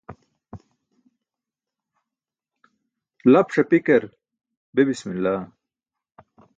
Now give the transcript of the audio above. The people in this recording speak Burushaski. Lap ṣapikar be bismillah.